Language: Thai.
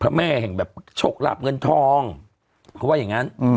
พระแม่แห่งแบบโชคหลาบเงินทองเขาว่าอย่างงั้น